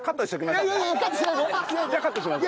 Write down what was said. じゃあカットします。